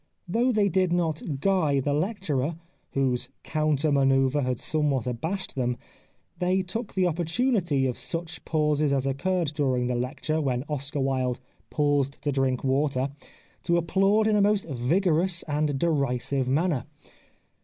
Though they did not " guy " the lecturer, whose counter 202 The Life of Oscar Wilde manoeuvre had somewhat abashed them, they took the opportunity of such pauses as occurred during the lecture when Oscar Wilde paused to drink water, to applaud in a most vigorous and derisive manner.